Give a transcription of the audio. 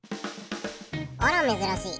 あら珍しい。